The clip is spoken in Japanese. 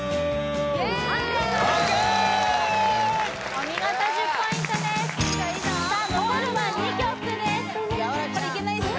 お見事１０ポイントですさあ残るは２曲です・これいけないっすか？